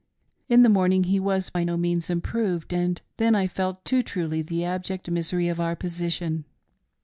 In the morning he was by no means improved, and then I felt too truly the abject misery of our position.